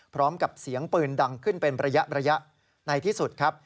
พร้อมกับเสียงปืนดังขึ้นเป็นระยะในที่สุดครับ